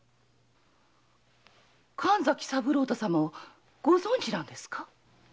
神崎三郎太様をご存じなんですか？